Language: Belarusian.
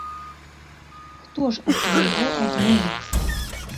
Хто ж ад свайго адмовіцца?